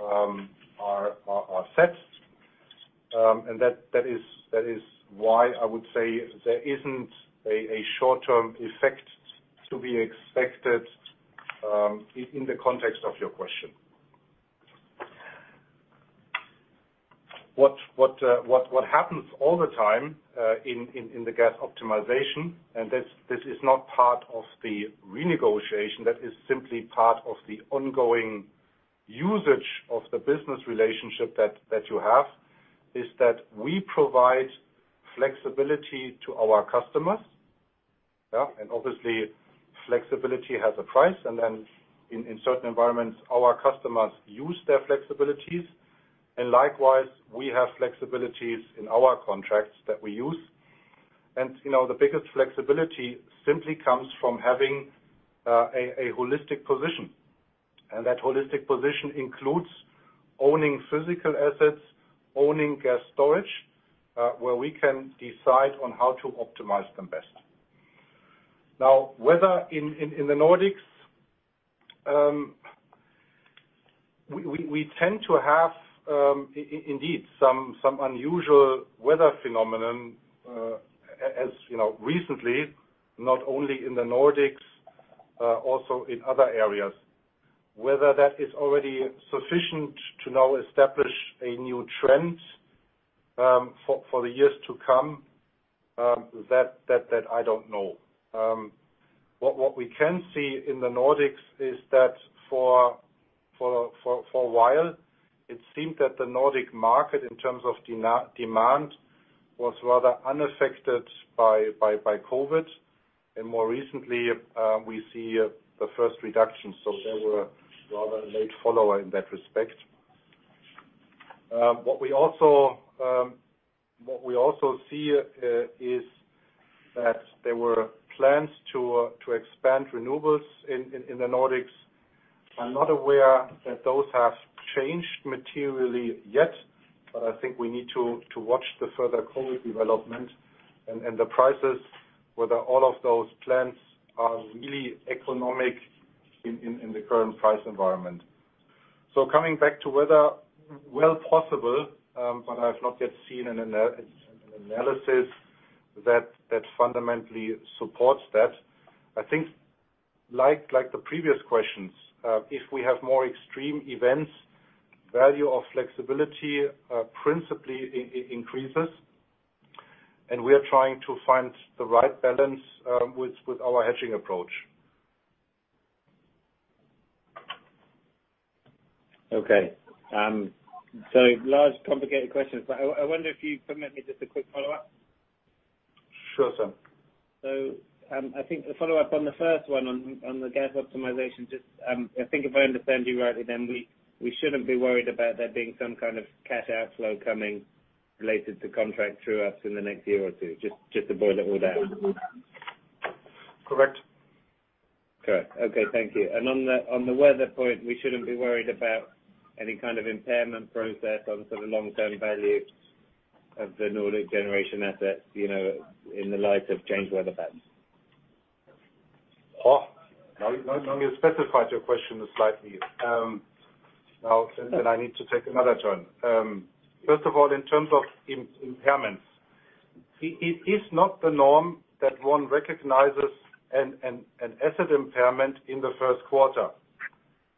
Speaker 3: are set. That is why I would say there isn't a short-term effect to be expected in the context of your question. What happens all the time in the gas optimization, and this is not part of the renegotiation, that is simply part of the ongoing usage of the business relationship that you have, is that we provide flexibility to our customers. Yeah. Obviously, flexibility has a price. Then in certain environments, our customers use their flexibilities. Likewise, we have flexibilities in our contracts that we use. The biggest flexibility simply comes from having a holistic position. That holistic position includes owning physical assets, owning gas storage, where we can decide on how to optimize them best. Now, weather in the Nordics, we tend to have, indeed, some unusual weather phenomenon, as you know, recently, not only in the Nordics, also in other areas. Whether that is already sufficient to now establish a new trend for the years to come, that I don't know. We can see in the Nordics is that for a while, it seemed that the Nordic market, in terms of demand, was rather unaffected by COVID. More recently, we see the first reduction. They were rather a late follower in that respect. We also see is that there were plans to expand renewables in the Nordics. I'm not aware that those have changed materially yet. I think we need to watch the further COVID development and the prices, whether all of those plans are really economic in the current price environment. Coming back to weather, well possible, I've not yet seen an analysis that fundamentally supports that. I think like the previous questions, if we have more extreme events, value of flexibility principally increases. We are trying to find the right balance with our hedging approach.
Speaker 7: Okay. Large, complicated questions, but I wonder if you permit me just a quick follow-up.
Speaker 3: Sure, sir.
Speaker 7: I think the follow-up on the first one, on the gas optimization, just I think if I understand you rightly, then we shouldn't be worried about there being some kind of cash outflow coming related to contract true-ups in the next year or two, just to boil it all down.
Speaker 3: Correct.
Speaker 7: Correct. Okay. Thank you. On the weather point, we shouldn't be worried about any kind of impairment process on sort of long-term value of the Nordic generation assets, in the light of changed weather patterns.
Speaker 3: You specified your question slightly. I need to take another turn. First of all, in terms of impairments, it is not the norm that one recognizes an asset impairment in the first quarter.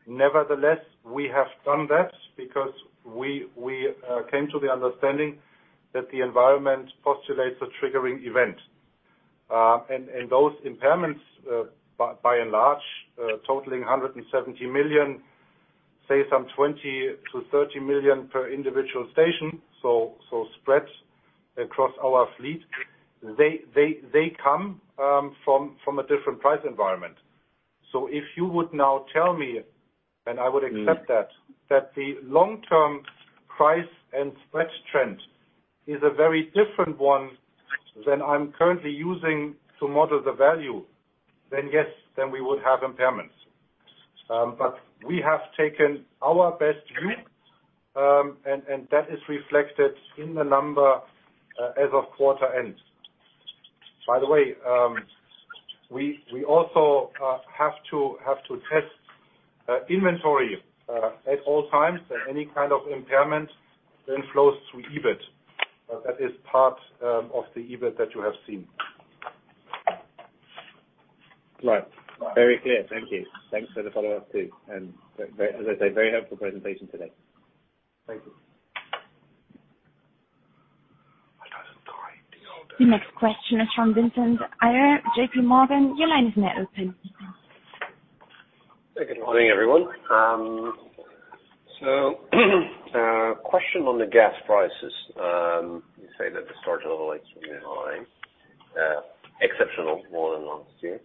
Speaker 3: Nevertheless, we have done that because we came to the understanding that the environment postulates a triggering event. Those impairments, by and large, totaling 170 million, say some 20 million-30 million per individual station, so spread across our fleet. They come from a different price environment. If you would now tell me, and I would accept that the long-term price and spread trend is a very different one than I'm currently using to model the value, then yes, then we would have impairments. We have taken our best view, and that is reflected in the number as of quarter end. We also have to test inventory at all times, and any kind of impairment then flows through EBIT. That is part of the EBIT that you have seen.
Speaker 7: Right. Very clear. Thank you. Thanks for the follow-up, too. As I say, very helpful presentation today.
Speaker 3: Thank you.
Speaker 1: The next question is from Vincent Ayral, JPMorgan. Your line is now open.
Speaker 8: Good morning, everyone. A question on the gas prices. You say that the storage level is high, exceptional more than last year.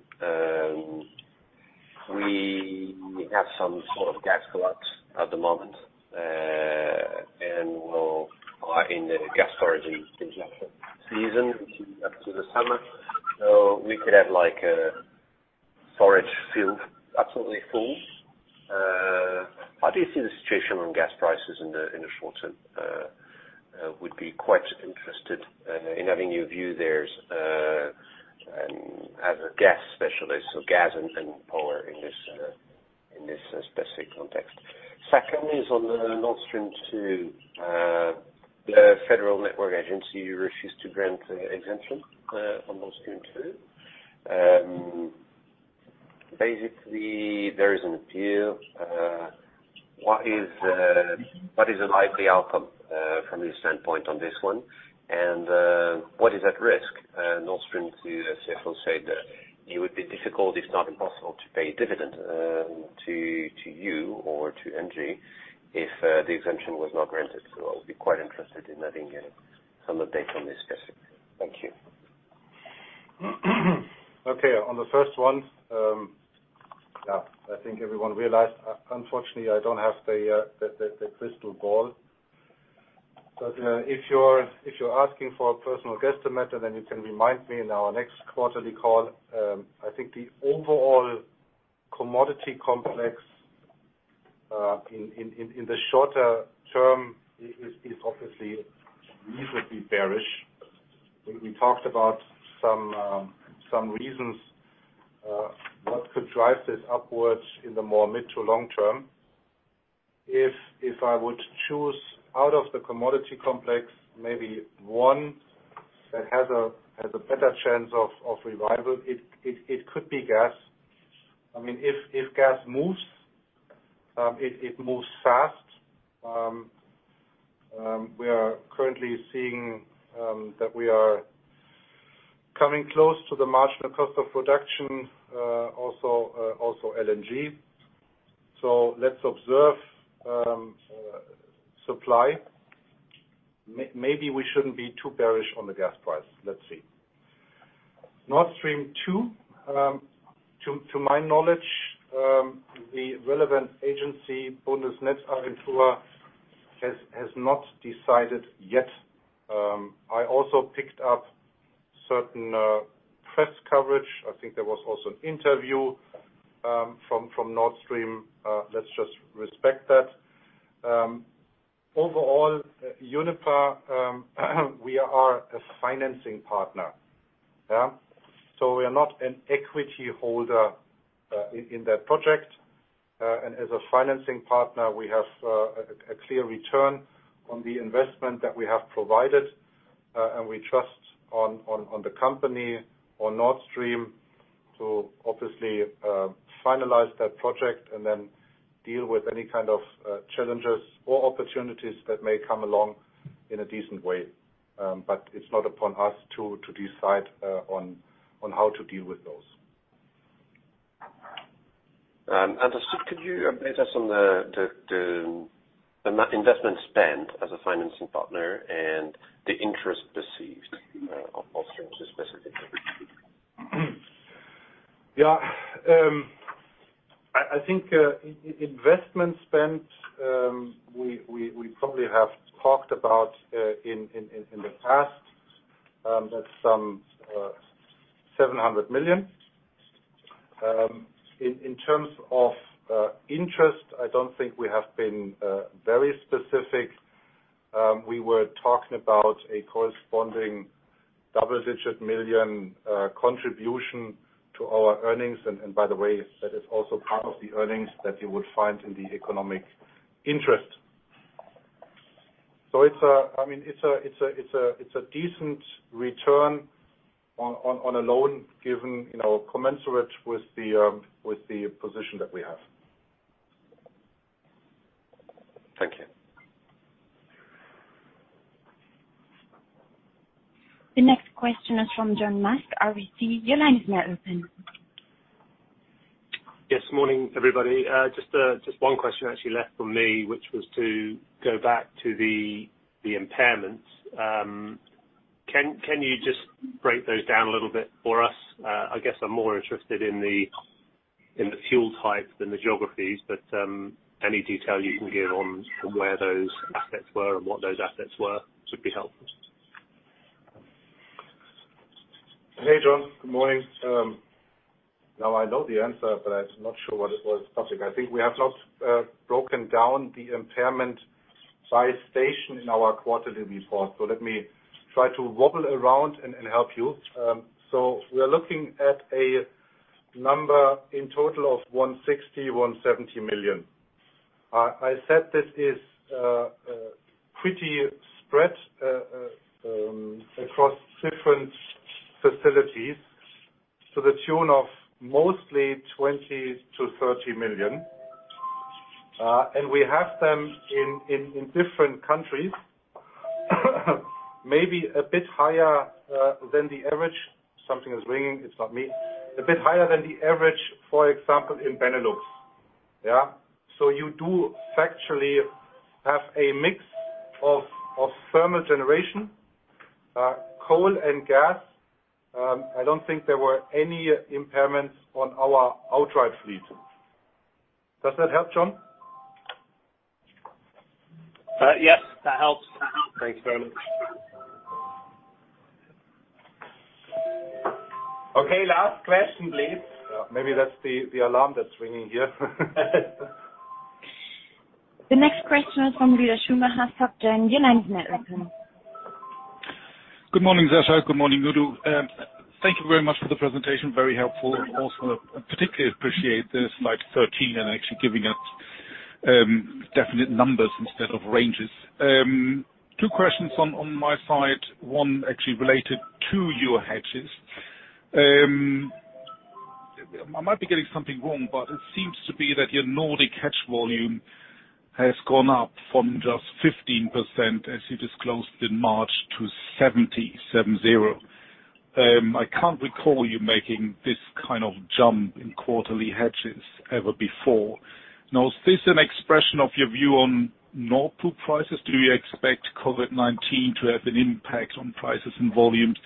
Speaker 8: We have some sort of gas collapse at the moment, and we are in the gas storage injection season, which is up to the summer. We could have a storage field absolutely full. How do you see the situation on gas prices in the short term? Would be quite interested in having your view there as a gas specialist, so gas and power in this specific context. Secondly, is on the Nord Stream 2. The Federal Network Agency refused to grant exemption on Nord Stream 2. There is an appeal. What is the likely outcome from your standpoint on this one? What is at risk? Nord Stream 2 CFO said that it would be difficult, if not impossible, to pay dividend to you or to Engie if the exemption was not granted. I would be quite interested in having some update on this specific. Thank you.
Speaker 3: Okay. On the first one, I think everyone realized, unfortunately, I don't have the crystal ball. If you're asking for a personal guesstimate, then you can remind me in our next quarterly call. I think the overall commodity complex in the shorter term is obviously reasonably bearish. We talked about some reasons what could drive this upwards in the more mid to long-term. If I would choose out of the commodity complex, maybe one that has a better chance of revival, it could be gas. If gas moves, it moves fast. We are currently seeing that we are coming close to the marginal cost of production, also LNG. Let's observe supply. Maybe we shouldn't be too bearish on the gas price. Let's see. Nord Stream 2, to my knowledge, the relevant agency, Bundesnetzagentur, has not decided yet. I also picked up certain press coverage. I think there was also an interview from Nord Stream. Let's just respect that. Overall, Uniper, we are a financing partner. We are not an equity holder in that project. As a financing partner, we have a clear return on the investment that we have provided, and we trust on the company, on Nord Stream to obviously finalize that project and then deal with any kind of challenges or opportunities that may come along in a decent way. It's not upon us to decide on how to deal with those.
Speaker 8: Understood, could you update us on the investment spend as a financing partner and the interest received on Nord Stream specifically?
Speaker 3: I think investment spend, we probably have talked about in the past, that's some 700 million. In terms of interest, I don't think we have been very specific. We were talking about a corresponding double-digit million contribution to our earnings. By the way, that is also part of the earnings that you would find in the economic interest. It's a decent return on a loan given, commensurate with the position that we have.
Speaker 8: Thank you.
Speaker 1: The next question is from John Musk, RBC. Your line is now open.
Speaker 9: Yes, morning, everybody. Just one question actually left from me, which was to go back to the impairments. Can you just break those down a little bit for us? I guess I'm more interested in the fuel type than the geographies, but any detail you can give on where those assets were and what those assets were would be helpful.
Speaker 3: Hey, John. Good morning. I know the answer, but I'm not sure what it was. I think we have not broken down the impairment by station in our quarterly report. Let me try to wobble around and help you. We're looking at a number in total of 160 million-170 million. I said this is pretty spread across different facilities to the tune of mostly 20 million-30 million. We have them in different countries, maybe a bit higher than the average. Something is ringing, it's not me. A bit higher than the average, for example, in Benelux. Yeah. You do factually have a mix of thermal generation, coal and gas. I don't think there were any impairments on our outright fleet. Does that help, John?
Speaker 9: Yes, that helps. Thanks very much.
Speaker 3: Okay, last question, please. Maybe that's the alarm that's ringing here.
Speaker 1: The next question is from Lueder Schumacher, SocGen. Your line is now open.
Speaker 10: Good morning, Sascha. Good morning, Udo. Thank you very much for the presentation, very helpful. Also particularly appreciate the slide 13 and actually giving us definite numbers instead of ranges. Two questions on my side, one actually related to your hedges. I might be getting something wrong, but it seems to be that your Nordic hedge volume has gone up from just 15% as you disclosed in March to 70. I can't recall you making this kind of jump in quarterly hedges ever before. Now, is this an expression of your view on Nord Pool prices? Do you expect COVID-19 to have an impact on prices and volumes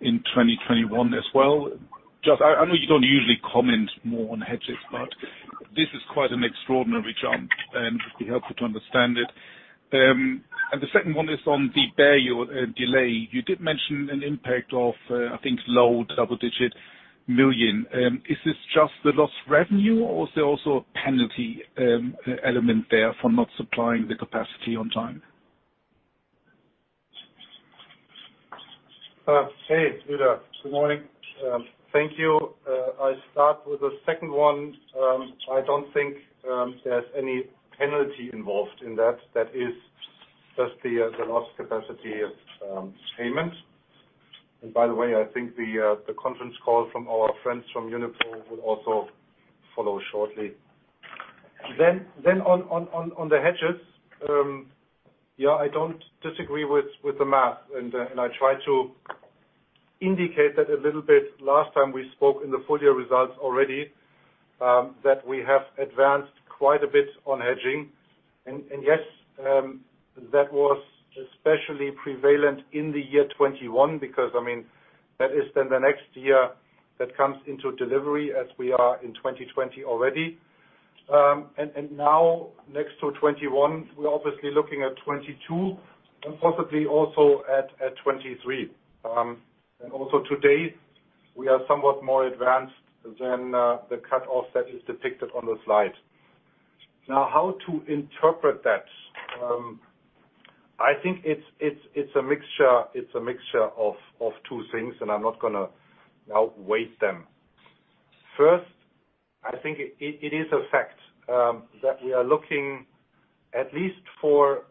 Speaker 10: in 2021 as well? I know you don't usually comment more on hedges, but this is quite an extraordinary jump, and it'd be helpful to understand it. The second one is on the Berezovskaya delay. You did mention an impact of, I think, low double-digit million. Is this just the lost revenue or is there also a penalty element there for not supplying the capacity on time?
Speaker 3: Hey, Lueder. Good morning. Thank you. I'll start with the second one. I don't think there's any penalty involved in that. That is just the lost capacity payment. By the way, I think the conference call from our friends from Uniper will also follow shortly. On the hedges, I don't disagree with the math, and I tried to indicate that a little bit last time we spoke in the full year results already, that we have advanced quite a bit on hedging. Yes, that was especially prevalent in the year 2021 because that is then the next year that comes into delivery as we are in 2020 already. Now next to 2021, we're obviously looking at 2022 and possibly also at 2023. Also to date, we are somewhat more advanced than the cutoff that is depicted on the slide. How to interpret that. I think it's a mixture of two things, and I'm not going to out-weight them. First, I think it is a fact that we are looking at least for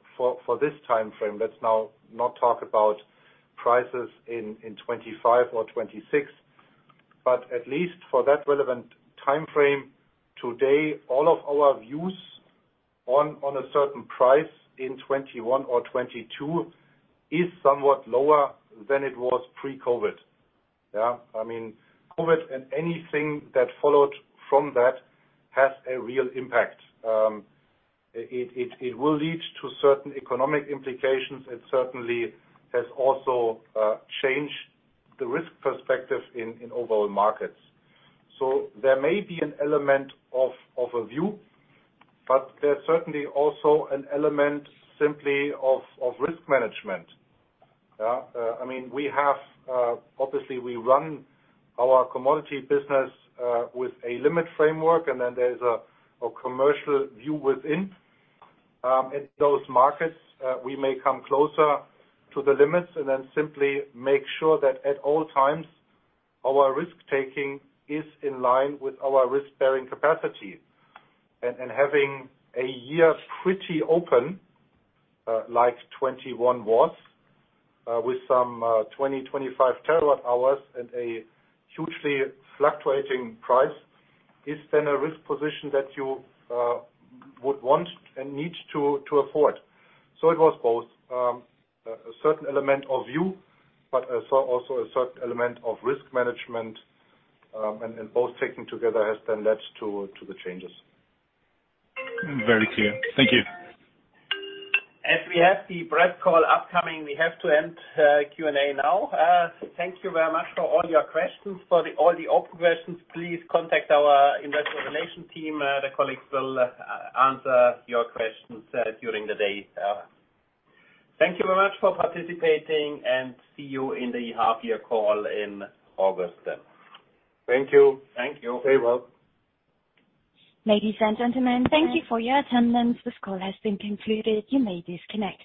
Speaker 3: this timeframe, let's now not talk about prices in 2025 or 2026. At least for that relevant timeframe today, all of our views on a certain price in 2021 or 2022 is somewhat lower than it was pre-COVID. COVID and anything that followed from that has a real impact. It will lead to certain economic implications. It certainly has also changed the risk perspective in overall markets. There may be an element of a view, but there's certainly also an element simply of risk management. Obviously we run our commodity business with a limit framework, and then there's a commercial view within. In those markets, we may come closer to the limits and then simply make sure that at all times, our risk-taking is in line with our risk-bearing capacity. Having a year pretty open, like 2021 was, with some 20 TWh, 25 TWh and a hugely fluctuating price, is then a risk position that you would want and need to afford. It was both, a certain element of view, but also a certain element of risk management, and both taken together has then led to the changes.
Speaker 10: Very clear. Thank you.
Speaker 2: As we have the breadth call upcoming, we have to end Q&A now. Thank you very much for all your questions. For all the open questions, please contact our Investor Relations team. The colleagues will answer your questions during the day. Thank you very much for participating, and see you in the half-year call in August then.
Speaker 3: Thank you.
Speaker 2: Thank you.
Speaker 3: Very well.
Speaker 1: Ladies and gentlemen, thank you for your attendance. This call has been concluded. You may disconnect.